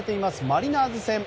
マリナーズ戦。